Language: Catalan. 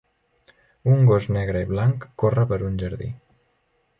Un gos negre i blanc corre per un jardí.